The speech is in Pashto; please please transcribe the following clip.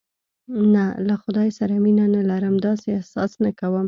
نه، له خدای سره مینه نه لرم، داسې احساس نه کوم.